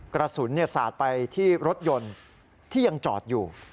กระสุนสาดไปที่รถยนต์ที่ยังจอดอยู่